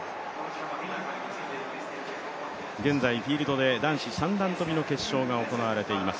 現在フィールドで男子三段跳の決勝が行われています。